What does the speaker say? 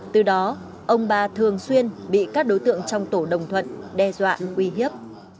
từ đó ông ba thường xuyên bị các đối tượng trong tổ đồng thuận đe dọa uy hiếp